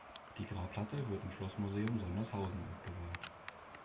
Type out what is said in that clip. Die Grabplatte wird im Schlossmuseum Sondershausen aufbewahrt.